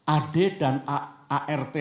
ad dan art